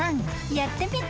やってみて］